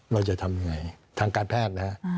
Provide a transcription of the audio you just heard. เราจะทำอย่างไรทางการแพทย์นะครับ